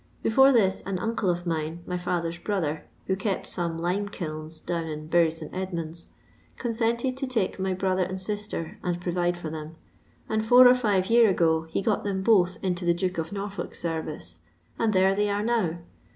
Before this an uncle of mine, my dither's brother, who kept some lime kilns down m Bury St. Edmunds, consented to take my brother and sister and provide for them, and four or five year ago he got them both into the Duke of Norfolk's service, and thero they are now.